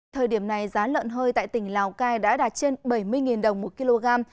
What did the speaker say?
thời điểm này giá lợn hơi tại tỉnh lào cai đã đạt trên bảy mươi đồng một kg